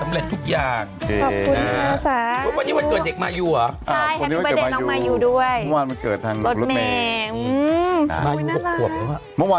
มาแล้วค่ะตัวแทนตัแองกิ้ค่ะหนู